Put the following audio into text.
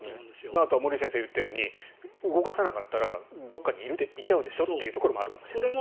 あとは森内先生が言ったように動かさなかったらどこかにいちゃうでしょうというところもあるかもしれない。